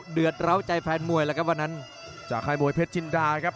เห็นเหรอครับดูจังหวัดมัดครับและไปจิกเข้าหน้าขากับ